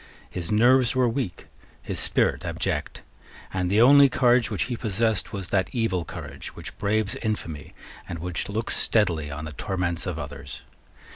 His nerves were weak, his spirit abject; and the only courage which he possessed was that evil courage which braves infamy, and which looks steadily on the torments of others.